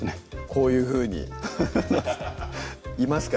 こういうふうにハハハッいますか？